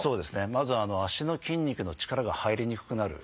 まず足の筋肉の力が入りにくくなる。